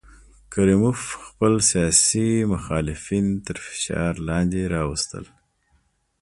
کریموف خپل سیاسي مخالفین تر فشار لاندې راوستل.